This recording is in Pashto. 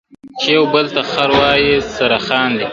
چی یوه بل ته خر وایی سره خاندي ..